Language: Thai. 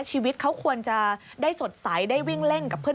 ชีวิตเขาควรจะได้สดใสได้วิ่งเล่นกับเพื่อน